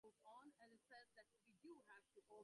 প্রত্যেক ধর্মই এক-একটি যোগের প্রতিনিধি।